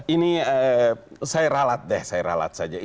ini saya ralat deh saya ralat saja